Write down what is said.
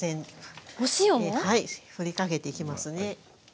お塩も⁉ふりかけていきますね。